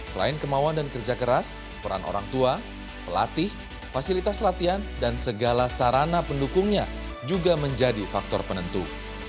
selain kemauan dan kerja keras peran orang tua pelatih fasilitas latihan dan segala sarana pendukungnya juga menjadi faktor penentu